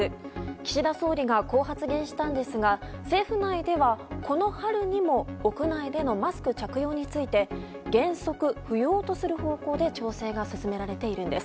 岸田総理がこう発言したんですが政府内では、この春にも屋内でのマスク着用について原則不要とする方向で調整が進められているんです。